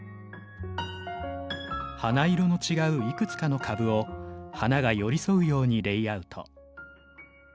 花色の違ういくつかの株を花が寄り添うようにレイアウト。